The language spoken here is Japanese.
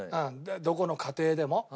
どこの家庭でも。